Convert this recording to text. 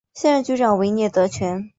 现任局长为聂德权。